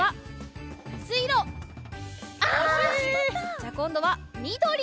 じゃあこんどはみどり。